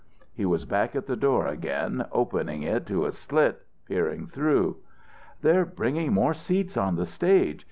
He was back at the door again, opening it to a slit, peering through. "They're bringing more seats on the stage.